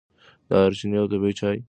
دارچیني او طبیعي چای د ارامتیا سبب کېږي.